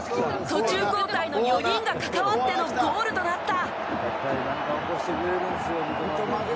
途中交代の４人が関わってのゴールとなった。